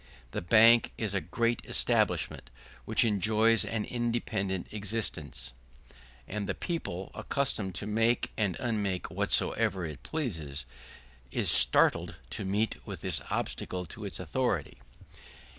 The Bank is a great establishment which enjoys an independent existence, and the people, accustomed to make and unmake whatsoever it pleases, is startled to meet with this obstacle to its authority.